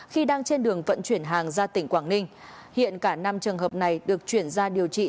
khi đang trên đường vận chuyển hàng ra tỉnh quảng ninh hiện cả năm trường hợp này được chuyển ra điều trị